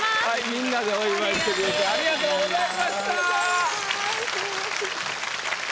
みんなでお祝いしてくれてありがとうございました！